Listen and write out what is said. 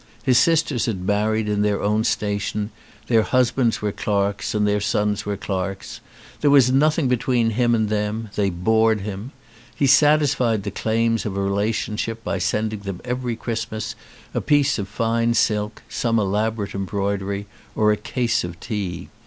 His sisters had married in their own station, their husbands were clerks and their sons were clerks; there was nothing between him and them ; they bored him. He satisfied the claims of relationship by sending them every Christmas a piece of fine silk, some elaborate embroidery, or a case of tea.